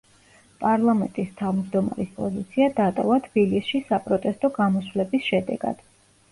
პარლამენტის თავმჯდომარის პოზიცია დატოვა თბილისში საპროტესტო გამოსვლების შედეგად.